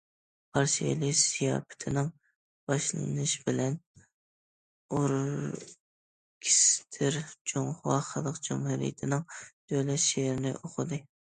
قارشى ئېلىش زىياپىتىنىڭ باشلىنىشى بىلەن، ئوركېستىر جۇڭخۇا خەلق جۇمھۇرىيىتىنىڭ دۆلەت شېئىرىنى ئوقۇدى.